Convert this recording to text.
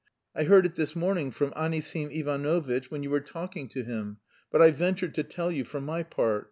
"I heard it this morning from Anisim Ivanovitch when you were talking to him. But I venture to tell you for my part..."